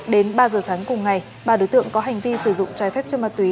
đến ba giờ sáng cùng ngày ba đối tượng có hành vi sử dụng trái phép chất ma túy